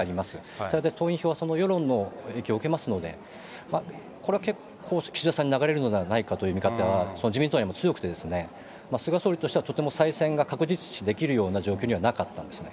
それで党員票は世論の影響を受けますので、これは結構、岸田さんに流れるのではないかという見方が自民党内も強くて、菅総理としてはとても再選が確実視できるような状況にはなかったんですね。